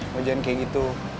lo jangan kayak gitu